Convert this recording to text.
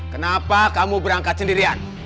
kenapa kamu berangkat sendirian